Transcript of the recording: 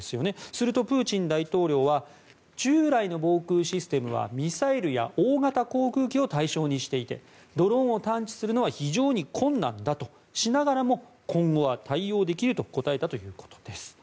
すると、プーチン大統領は従来の防空システムはミサイルや大型航空機を対象にしていてドローンを探知するのは非常に困難だとしながらも今後は対応できると答えたということです。